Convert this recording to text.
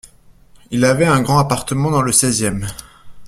Il avait un grand appartement dans le seizième.